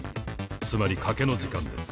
つまり賭けの時間です。